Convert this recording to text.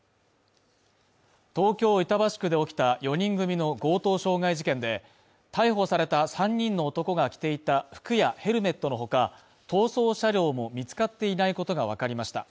東京・板橋区で起きた４人組の強盗傷害事件で逮捕された３人の男が着ていた服やヘルメットのほか、逃走車両も見つかっていないことがわかりました。